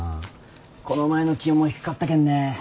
この前の気温も低かったけんね。